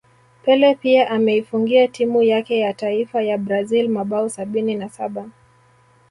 Pele pia ameifungia timu yake yataifa ya Brazil mabao sabini na Saba